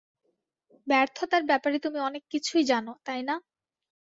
ব্যর্থতার ব্যাপারে তুমি অনেক কিছুই জানো, তাই না?